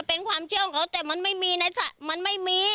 เป็นความเชื่อของเขาแต่มันไม่มีในมันไม่มี